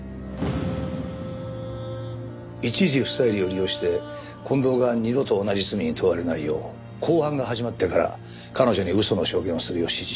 一事不再理を利用して近藤が二度と同じ罪に問われないよう公判が始まってから彼女に嘘の証言をするよう指示した。